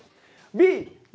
ＢＢ！